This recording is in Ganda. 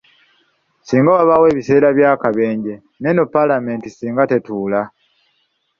Singa wabaawo ebiseera bya kabenje neeno palamenti singa tetuula.